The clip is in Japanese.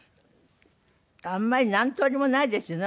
あんまり何通りもないですよね